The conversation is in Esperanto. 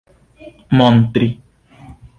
montri